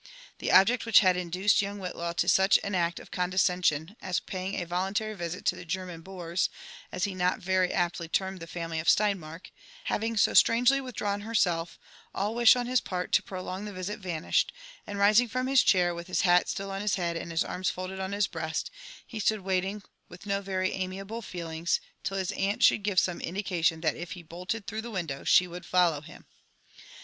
The object which had induced young Whillaw to such an act of condescension as paying a voluntary visit to the '' German boors," as he not very aptly termed the family of Steinmark, having so strangely withdrawn herself, all wish on his part to prolong the visit vanished ; and rising from his chair with his bat still on his head, and bis arms folded on his breast, he stood wait JONATHAN JEPFEKSON WHITLAW. 53 Uog ^ith DO very amiable feelings, till his aunt should give some indication that if he bolted through the window, she would follow him.